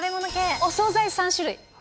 お総菜３種類。